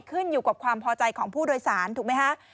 ขึ้นอยู่กับความพอใจของผู้โดยสารถูกไหมคะ